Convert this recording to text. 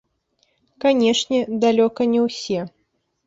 Канечне, далёка не ўсе.